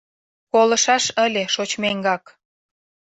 Колышаш ыле шочмеҥгак